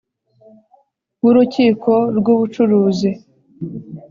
w Urukiko rw Ubucuruzi